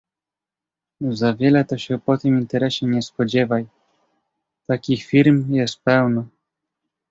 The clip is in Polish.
Za wiele to się po tym interesie nie spodziewaj, takich firm jest pełno.